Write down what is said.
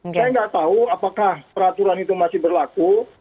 saya nggak tahu apakah peraturan itu masih berlaku